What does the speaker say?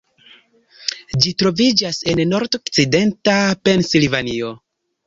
Ĝi troviĝas en nordokcidenta Pensilvanio.